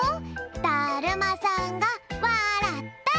だるまさんがわらった！